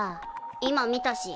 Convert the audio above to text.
今見たし。